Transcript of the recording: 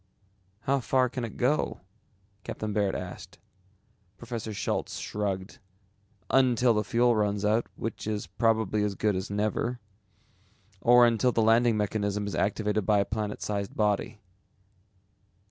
"How far can it go?" Captain Baird asked. Professor Schultz shrugged. "Until the fuel runs out, which is probably as good as never, or until the landing mechanism is activated by a planet sized body."